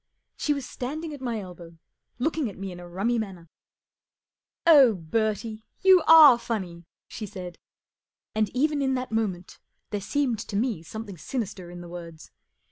She was standing at my elbow, looking at me in a rummy manner. *' Oh, Bertie, you are funny !" she said. And even in that moment there seemed to me something sinister in the words.